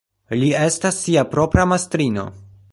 Li estas sia propra mastrino.